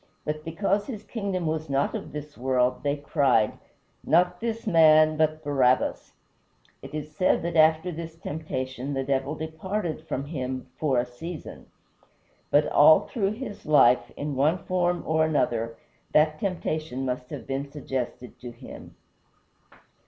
But because his kingdom was not of this world they cried: "Not this man, but Barabbas!" It is said that after this temptation the Devil departed from him "for a season." But all through his life, in one form or another, that temptation must have been suggested to him.